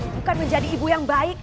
bukan menjadi ibu yang baik